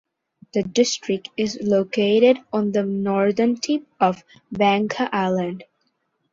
The district is located on the northern tip of Bangka Island.